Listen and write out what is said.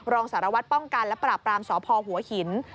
รองสารวัตรป้องกันและปราบรามสพหัวหิน